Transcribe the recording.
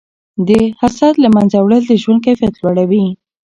د حسد له منځه وړل د ژوند کیفیت لوړوي.